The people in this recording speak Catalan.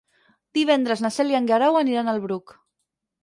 Divendres na Cel i en Guerau aniran al Bruc.